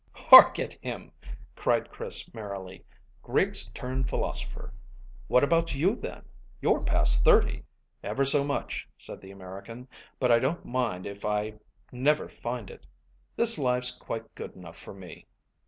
"Hark at him!" cried Chris merrily. "Griggs turned philosopher. What about you then? You're past thirty." "Ever so much," said the American, "but I don't mind if I never find it. This life's quite good enough for me."